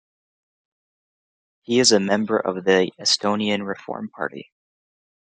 He is a member of the Estonian Reform Party.